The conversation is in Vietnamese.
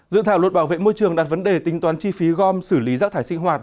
dự thảo luật bảo vệ môi trường đặt vấn đề tính toán chi phí gom xử lý rác thải sinh hoạt